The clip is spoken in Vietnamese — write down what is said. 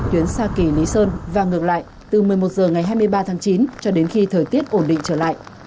tuyến sa kỳ lý sơn và ngược lại từ một mươi một h ngày hai mươi ba tháng chín cho đến khi thời tiết ổn định trở lại